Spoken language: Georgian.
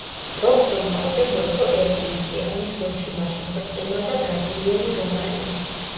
რობსონმა ორჯერ მოიგო ერედივიზია, მის გუნდში მაშინ ბრწყინავდა ბრაზილიელი რომარიო.